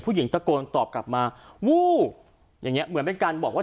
ผู้หญิงตะโกนตอบกลับมาวูบอย่างเงี้เหมือนเป็นการบอกว่า